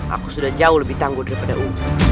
aku sudah jauh lebih tangguh daripada umur